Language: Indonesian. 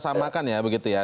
samakan ya begitu ya